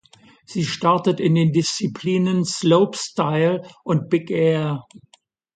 Sie startet in den Disziplinen Slopestyle und Big Air.